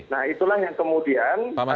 nah itulah yang kemudian